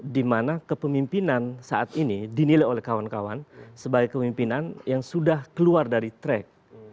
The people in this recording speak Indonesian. dimana kepemimpinan saat ini dinilai oleh kawan kawan sebagai kepemimpinan yang sudah keluar dari track